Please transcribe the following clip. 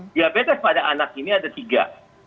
diabetes pada anak ini ada tiga